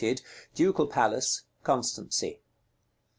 DUCAL PALACE. Constancy.